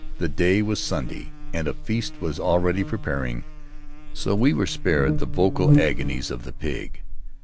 The day was Sunday and a feast was already preparing, so we were spared the vocal agonies of the pig.